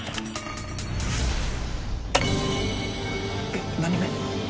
えっ何人目？